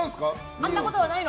会ったことはないの。